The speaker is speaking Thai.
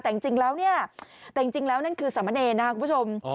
แต่จริงแล้วเนี่ยแต่จริงแล้วนั่นคือสามเณรนะครับคุณผู้ชม